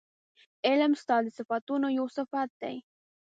علم ستا د صفتونو یو صفت دی